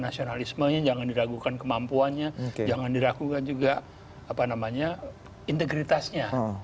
nasionalismenya jangan diragukan kemampuannya jangan diragukan juga apa namanya integritasnya